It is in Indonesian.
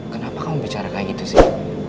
kenapa kamu bicara kayak gitu sih